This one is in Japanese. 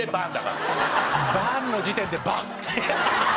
バン！の時点でバン！